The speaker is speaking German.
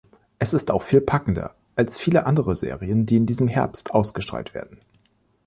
Es ist auch viel packender als viele andere Serien, die in diesem Herbst ausgestrahlt werden.